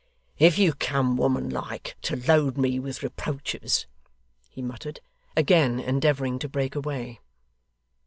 'If you come, woman like, to load me with reproaches ' he muttered, again endeavouring to break away.